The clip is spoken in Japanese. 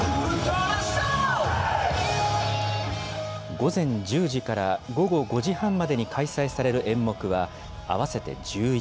午前１０時から午後５時半までに開催される演目は、合わせて１１。